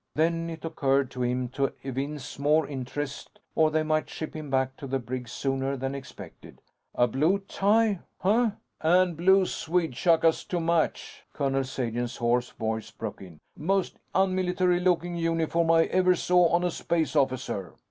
Then, it occurred to him to evince more interest or they might ship him back to the brig sooner than expected. "A blue tie, huh?" "And blue suede chukkas, to match," Colonel Sagen's hoarse voice broke in. "Most unmilitary looking uniform I ever saw on a space officer."